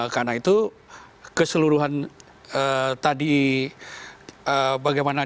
karena itu keseluruhan tadi bagaimana penanggulangan terorisme itu diatur